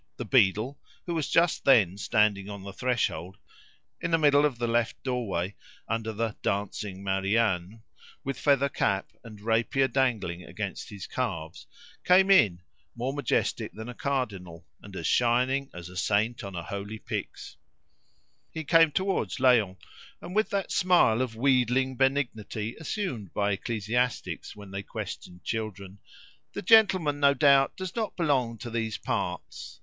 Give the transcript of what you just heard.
The beadle, who was just then standing on the threshold in the middle of the left doorway, under the "Dancing Marianne," with feather cap, and rapier dangling against his calves, came in, more majestic than a cardinal, and as shining as a saint on a holy pyx. He came towards Léon, and, with that smile of wheedling benignity assumed by ecclesiastics when they question children "The gentleman, no doubt, does not belong to these parts?